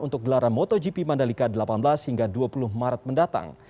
untuk gelaran motogp mandalika delapan belas hingga dua puluh maret mendatang